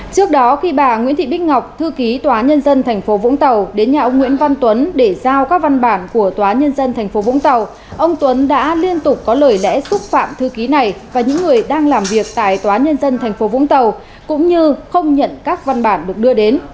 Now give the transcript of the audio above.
trước đó khi bà nguyễn thị bích ngọc thư ký tòa nhân dân tp vũng tàu đến nhà ông nguyễn văn tuấn để giao các văn bản của tòa nhân dân tp vũng tàu ông tuấn đã liên tục có lời lẽ xúc phạm thư ký này và những người đang làm việc tại tòa nhân dân tp vũng tàu cũng như không nhận các văn bản được đưa đến